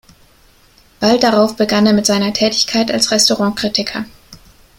Bald darauf begann er mit seiner Tätigkeit als Restaurantkritiker.